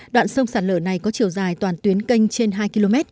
đoạn sông sạt lở này có chiều dài toàn tuyến kênh trên hai km